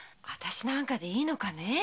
あたしなんかでいいのかね？